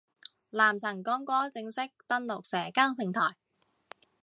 男神光哥正式登陸社交平台